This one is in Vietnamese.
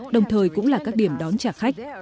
đồng thời cũng là các điểm đón trả khách